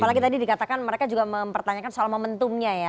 apalagi tadi dikatakan mereka juga mempertanyakan soal momentumnya ya